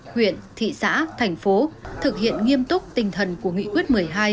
huyện thị xã thành phố thực hiện nghiêm túc tinh thần của nghị quyết một mươi hai